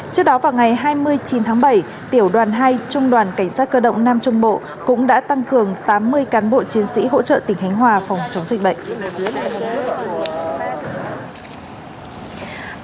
trước đó vào ngày hai mươi chín tháng bảy tiểu đoàn hai trung đoàn cảnh sát cơ động nam trung bộ cũng đã tăng cường tám mươi cán bộ chiến sĩ hỗ trợ tỉnh khánh hòa phòng chống dịch bệnh